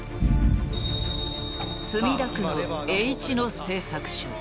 墨田区のＨ野製作所。